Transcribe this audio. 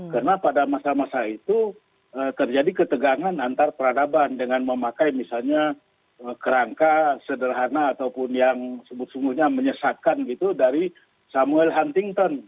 karena pada masa masa itu terjadi ketegangan antar peradaban dengan memakai misalnya kerangka sederhana ataupun yang sebut sebutnya menyesatkan gitu dari samuel huntington